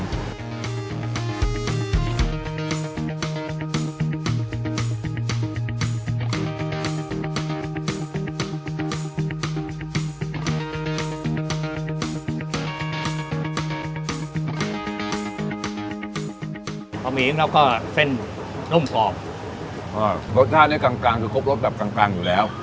ข้าวหมีน้ำก็เส้นนุ่มตรงอ่ารสชาตินี่กลางกลางคือครบรถแบบกลางกลางอยู่แล้ว